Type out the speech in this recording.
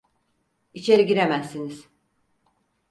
İçeri giremezsiniz!